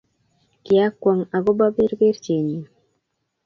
kiagwok ako bo berberchenyin